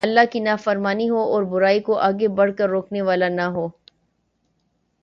اللہ کی نافرمانی ہو اور برائی کوآگے بڑھ کر روکنے والا نہ ہو